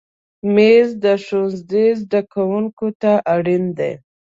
مېز د ښوونځي زده کوونکي ته اړین دی.